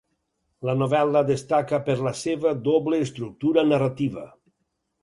La novel·la destaca per la seva doble estructura narrativa.